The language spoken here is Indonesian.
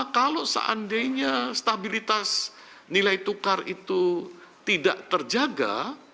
kalau seandainya stabilitas nilai tukar itu tidak terjaga